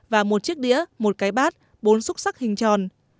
và một chiếc đĩa một cái bát bốn xúc sắc hình tròn